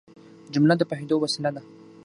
جمله د پوهېدو وسیله ده.